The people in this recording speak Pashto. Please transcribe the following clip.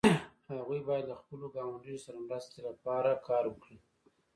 هغوی باید له خپلو ګاونډیو سره مرستې لپاره کار وکړي.